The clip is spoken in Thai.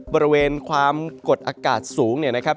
บริเวณความกดอากาศสูงเนี่ยนะครับ